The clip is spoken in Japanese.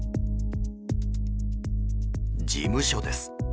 事務所です。